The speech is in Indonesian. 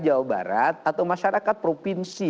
jawa barat atau masyarakat provinsi